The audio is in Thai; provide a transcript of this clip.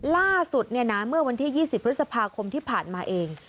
ล่าสุดเมื่อวันที่๒๐พฤษภาคมที่ผ่านมาเอง